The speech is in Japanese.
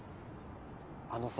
あのさ。